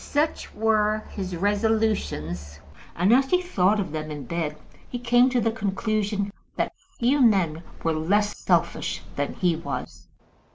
Such were his resolutions, and, as he thought of them in bed, he came to the conclusion that few men were less selfish than he was.